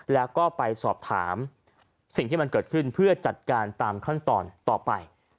แล้วก็ไปสอบถามสิ่งที่มันเกิดขึ้นเพื่อจัดการตามขั้นตอนต่อไป